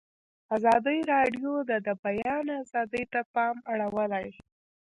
ازادي راډیو د د بیان آزادي ته پام اړولی.